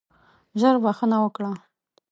ژر بخښنه وکړه.